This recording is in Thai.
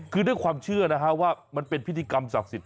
คือด้วยความเชื่อนะฮะว่ามันเป็นพิธีกรรมศักดิ์สิทธิ